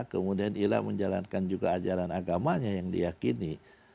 kemudian ilham menjalankan juga ajaran agamanya yang diyakini